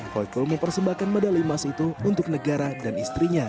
hoi full mempersembahkan medali emas itu untuk negara dan istrinya